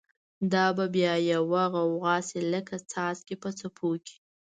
دا به بیا یوه غوغا شی، لکه څاڅکی په څپو کی